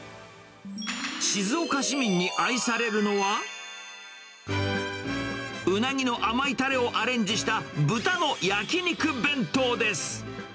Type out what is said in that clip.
静岡市民に愛されるのは、ウナギの甘いたれをアレンジした豚の焼き肉弁当です。